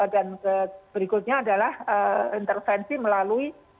dan berikutnya adalah intervensi melalui